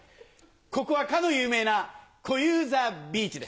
ここはかの有名な小遊三ビーチです。